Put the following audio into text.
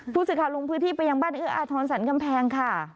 พูดสิค่ะลุงพื้นที่เปลี่ยงบ้านเอื้ออาทรอนสรรค์กำแพงค่ะ